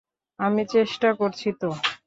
আমি চেষ্টা করছি তো।